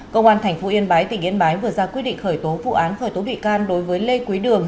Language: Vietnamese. công an tp yên bái tỉnh yên bái vừa ra quyết định khởi tố vụ án khởi tố bị can đối với lê quý đường